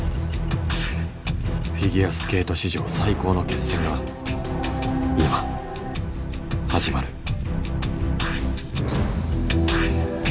フィギュアスケート史上最高の決戦が今始まる。